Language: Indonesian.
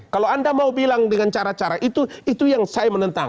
kalau anda mau bilang dengan cara cara itu itu yang saya menentang